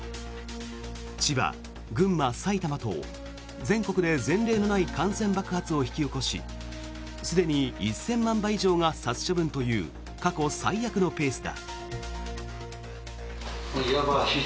千葉、群馬、埼玉と全国で前例のない感染爆発を引き起こしすでに１０００万羽以上が殺処分という過去最悪のペースだ。